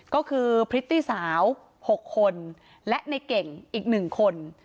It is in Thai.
ก็คือพริตตี้สาว๖คนและในเก่งอีก๑คน